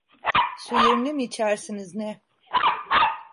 Su yerine mi içersiniz ne?